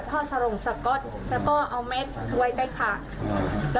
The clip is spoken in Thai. เข้ามายิงแล้วพอคนร้ายจับไป